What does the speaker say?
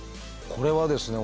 これはですね